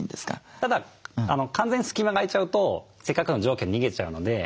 ただ完全に隙間が空いちゃうとせっかくの蒸気が逃げちゃうので。